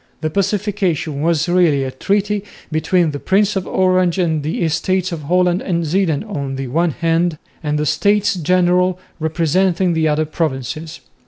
The Pacification was really a treaty between the Prince of Orange and the Estates of Holland and Zeeland on the one hand, and the States General representing the other provinces.